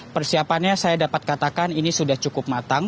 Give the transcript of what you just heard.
persiapannya saya dapat katakan ini sudah cukup matang